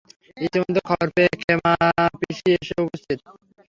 ইতিমধ্যে খবর পেয়ে ক্ষেমাপিসি এসে উপস্থিত।